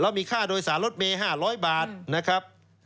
มีค่าโดยสารรถเมย์๕๐๐บาทนะครับ